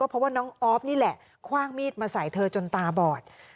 เพราะว่าน้องออฟนี่แหละคว่างมีดมาใส่เธอจนตาบอด